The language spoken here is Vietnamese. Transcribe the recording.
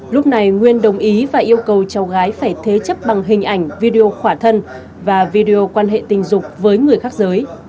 lúc này nguyên đồng ý và yêu cầu cháu gái phải thế chấp bằng hình ảnh video khỏa thân và video quan hệ tình dục với người khác giới